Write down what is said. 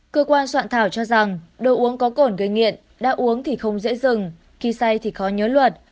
cơ quan soạn thảo cho rằng đồ uống có cồn gây nghiện đã uống thì không dễ dừng khi say thì khó nhớ luật